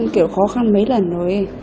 kiểu khó khăn mấy lần rồi